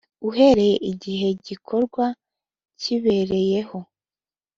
uhereye igihe igikorwa kibereyeho